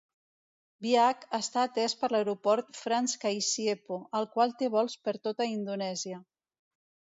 Biak està atès per l'aeroport Frans Kaisiepo, el qual té vols per tota Indonèsia.